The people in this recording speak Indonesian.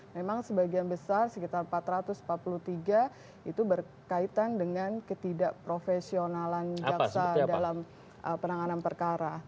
memang sebagian besar sekitar empat ratus empat puluh tiga itu berkaitan dengan ketidakprofesionalan jaksa dalam penanganan perkara